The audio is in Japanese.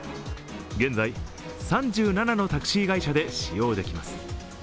現在３７のタクシー会社で使用できます。